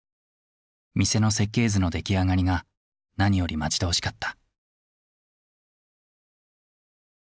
店の設計図の出来上がりが何より待ち遠しかった。